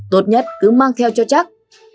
tốt nhất cứ mang theo cho chắc